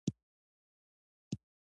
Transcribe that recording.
راتلونکی نسل ته یې پریږدئ